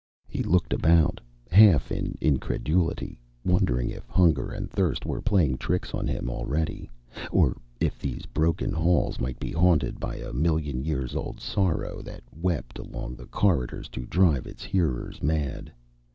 He looked about half in incredulity, wondering if hunger and thirst were playing tricks on him already, or if these broken halls might be haunted by a million years old sorrow that wept along the corridors to drive its hearers mad.